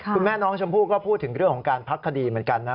คุณแม่น้องชมพู่ก็พูดถึงเรื่องของการพักคดีเหมือนกันนะ